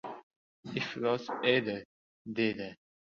— Iflos edi! — dedi.